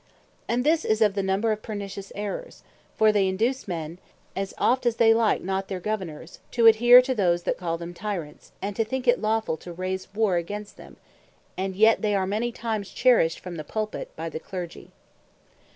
And this is of the number of pernicious Errors: for they induce men, as oft as they like not their Governours, to adhaere to those that call them Tyrants, and to think it lawfull to raise warre against them: And yet they are many times cherished from the Pulpit, by the Clergy.